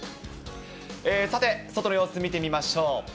さて、外の様子見てみましょう。